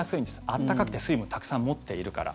暖かくて水分たくさん持っているから。